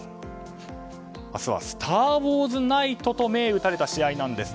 明日は「スター・ウォーズ・ナイト」と銘打たれた試合です。